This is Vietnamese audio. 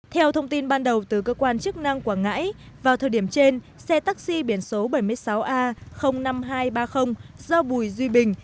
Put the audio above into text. theo thông tin ban đầu từ cơ quan chức năng quảng ngãi vào thời điểm trên xe taxi biển số bảy mươi sáu a năm nghìn hai trăm ba mươi do bùi duy bình